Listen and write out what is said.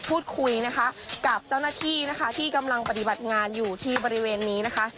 พูดคุยนะคะกับเจ้าหน้าที่นะคะที่กำลังปฏิบัติงานอยู่ที่บริเวณนี้นะคะ